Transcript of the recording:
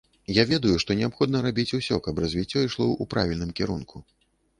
Я ведаю, што неабходна рабіць усё, каб развіццё ішло ў правільным кірунку.